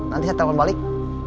nanti saya telepon balik